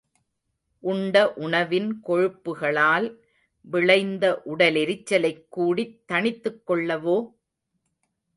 உண்ட உணவின் கொழுப்புகளால் விளைந்த உடலெரிச்சலைக் கூடித் தணித்துக் கொள்ளவோ?